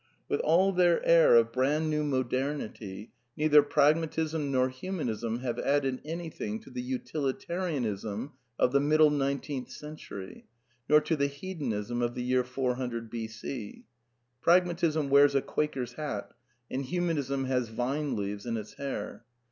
With all their air of brand new modernity, neither Pragmatism nor Humanism have added anything to the Utilitarianism of the middle nineteenth century, nor to the Hedonism of the year 400 b. o. Pragmatism wears a Quaker's hat, and Humanism has vine leaves in its hair.